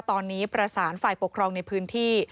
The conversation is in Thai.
ตอนนี้ประสานฝ่ายปกครองในพื้นที่